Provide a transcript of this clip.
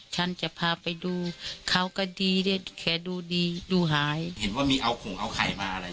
ฉันจะพาไปดูเขาก็ดีได้แค่ดูดีดูหายเห็นว่ามีเอาขงเอาไข่มาอะไร